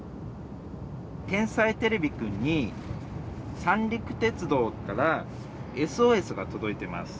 「天才てれびくん」に三陸鉄道からＳＯＳがとどいてます。